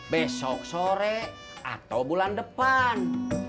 besok sore atau bulan depan